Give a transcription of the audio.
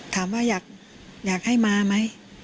ถามว่าอยากให้มาไหม